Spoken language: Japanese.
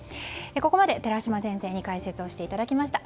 ここまで寺嶋先生に解説していただきました。